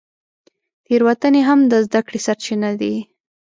تېروتنې هم د زده کړې سرچینه دي.